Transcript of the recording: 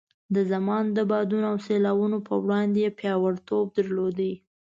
د زمان د بادونو او سیلاوونو په وړاندې یې پیاوړتوب درلود.